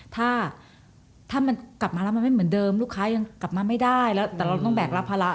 ถ้าถ้ามันกลับมาแล้วมันไม่เหมือนเดิมลูกค้ายังกลับมาไม่ได้แล้วแต่เราต้องแบกรับภาระ